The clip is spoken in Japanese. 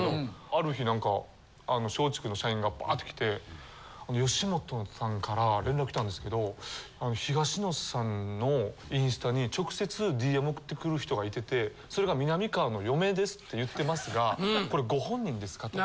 ある日なんかあの松竹の社員がバッ！って来てあの吉本さんから連絡来たんですけど東野さんのインスタに直接ＤＭ送ってくる人がいててそれが「みなみかわの嫁です」って言ってますがこれご本人ですかと。